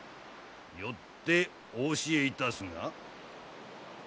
よってお教えいたすが。